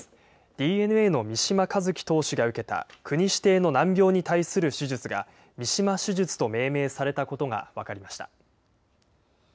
ＤｅＮＡの三嶋一輝投手が受けた国指定の難病に対する手術がＭＩＳＨＩＭＡ手術と命名されたことが分かりました。